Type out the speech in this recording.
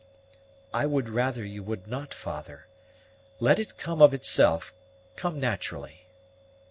"I would rather you would not, father. Let it come of itself, come naturally."